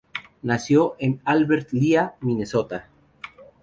Nació en Albert Lea, Minnesota.